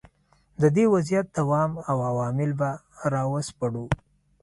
د دې وضعیت دوام او عوامل به را وسپړو.